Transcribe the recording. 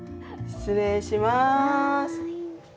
失礼します。